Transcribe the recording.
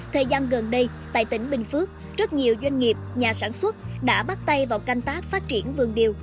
thời gian gần đây tại tỉnh bình phước rất nhiều doanh nghiệp nhà sản xuất đã bắt tay vào canh tác phát triển vườn điều